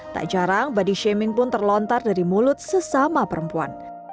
tak jarang body shaming pun terlontar dari mulut sesama perempuan